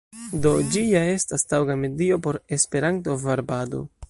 Do ĝi ja estas taŭga medio por Esperanto-varbado.